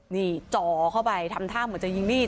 นี่จ่อเข้าไปทำท่าเหมือนจะยิงมีด